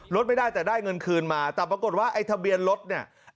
รถไม่ได้แต่ได้เงินคืนมาแต่ปรากฏว่าไอ้ทะเบียนรถเนี่ย